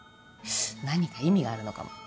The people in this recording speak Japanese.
何か意味があるのかも。